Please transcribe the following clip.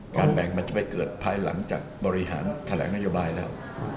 แบ่งมันจะไปเกิดภายหลังจากบริหารแถลงนโยบายแล้ว